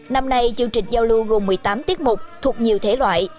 năm nay chương trình giao lưu gồm một mươi tám tiết mục thuộc nhiều thế loại